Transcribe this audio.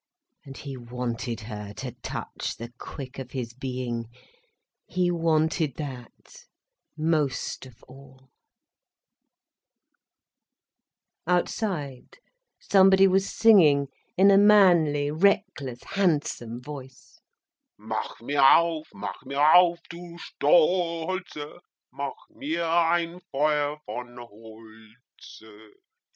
And he wanted her to touch the quick of his being, he wanted that most of all. Outside, somebody was singing, in a manly, reckless handsome voice: "Mach mir auf, mach mir auf, du Stolze, Mach mir ein Feuer von Holze.